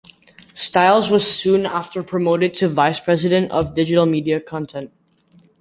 Styles was soon after promoted to Vice President of Digital Media Content.